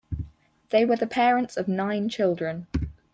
They were the parents of nine children.